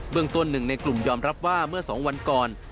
เบื้องต้น๑ในกลุ่มยอมรับว่าเมื่อสองวันก่อน